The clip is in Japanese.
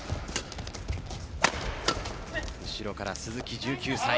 後ろから鈴木、１９歳。